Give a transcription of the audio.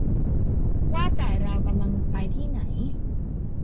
ว่าแต่เรากำลังไปทีไ่หน